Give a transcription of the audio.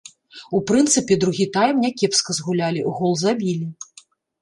У прынцыпе, другі тайм някепска згулялі, гол забілі.